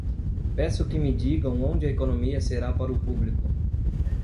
Peço que me digam onde a economia será para o público.